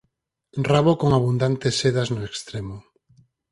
Rabo con abundantes sedas no extremo.